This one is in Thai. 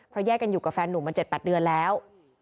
แยกกันอยู่กับแฟนหนุ่มมา๗๘เดือนแล้ว